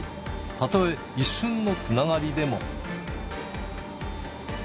たとえ、一瞬のつながりでも。